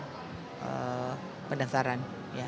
jadi saya juga pula pendaftaran